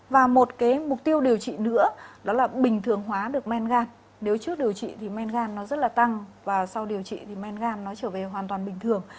và một cái mục tiêu điều trị nữa đó là bình thường hóa được men gan nếu trước điều trị thì men gan nó rất là tăng và sau điều trị thì men gan nó trở về hoàn toàn bình thường